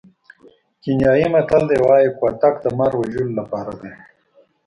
کینیايي متل وایي کوتک د مار وژلو لپاره دی.